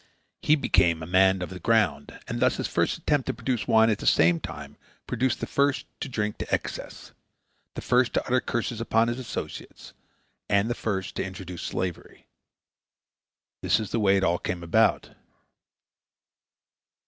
He became a "man of the ground," and this first attempt to produce wine at the same time produced the first to drink to excess, the first to utter curses upon his associates, and the first to introduce slavery. This is the way it all came about.